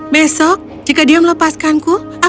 besok jika dia melepaskanku aku akan berbicara